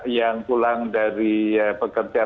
yang pulang dari pekerjaan